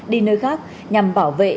đi nơi khác nhằm bảo vệ